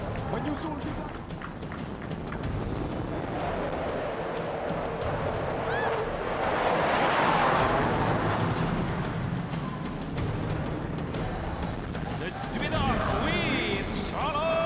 pesawat tni gatot nurmantio